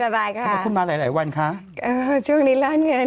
สบายค่ะคุณมาหลายหลายวันค่ะเออช่วงนี้ละเงิน